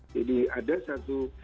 jadi ada satu